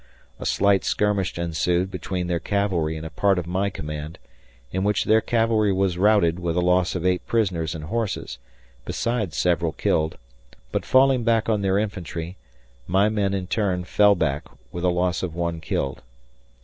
A slight skirmish ensued between their cavalry and a part of my command, in which their cavalry was routed with a loss of 8 prisoners and horses, besides several killed, but falling back on their infantry, my men in turn fell back, with a loss of 1 killed.